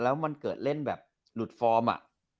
แล้วมันเกิดเล่นแบบหลุดฟอร์มอะ